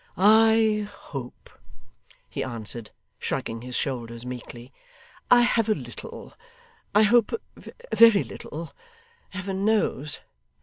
'I hope,' he answered, shrugging his shoulders meekly, 'I have a little; I hope, a very little Heaven knows!